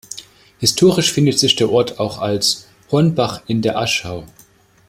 Historisch findet sich der Ort auch als "Hornbach in der Aschau".